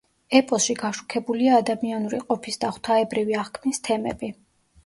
ეპოსში გაშუქებულია ადამიანური ყოფის და ღვთაებრივი აღქმის თემები.